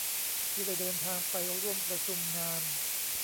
ที่ได้เดินทางไปร่วมประชุมงาน